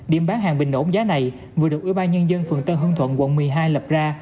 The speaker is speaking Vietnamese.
điểm bán hàng bình ổn giá này vừa được ủy ban nhân dân phường tân hương thuận quận một mươi hai lập ra